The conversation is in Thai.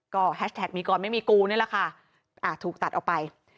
ก็แฮชแท็กมีก่อนไม่มีกูนี่แหละค่ะถูกตัดออกไป